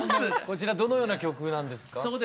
こちらどのような曲なんですか？